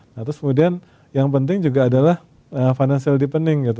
nah terus kemudian yang penting juga adalah financial deepening gitu